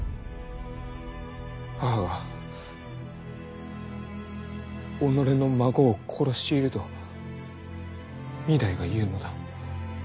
母が己の孫を殺していると御台が言うのだ。